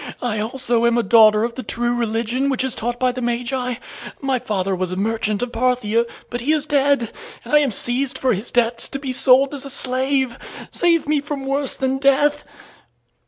I also am a daughter of the true religion which is taught by the Magi. My father was a merchant of Parthia, but he is dead, and I am seized for his debts to be sold as a slave. Save me from worse than death!"